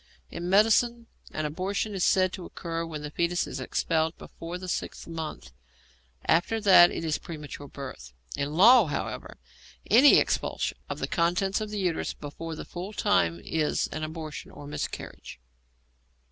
In medicine, an abortion is said to occur when the foetus is expelled before the sixth month; after that it is premature birth. In law, however, any expulsion of the contents of the uterus before the full time is an abortion or miscarriage.